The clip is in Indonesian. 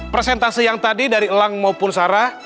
presentasi yang tadi dari elang maupun sarah